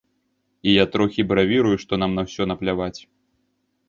І я трохі бравірую, што нам на ўсё напляваць.